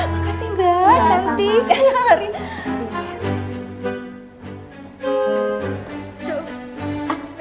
makasih mbak cantik